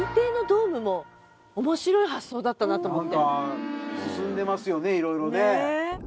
何か進んでますよね色々ね。